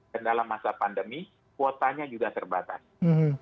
dan dalam masa pandemi kuotanya juga terbatas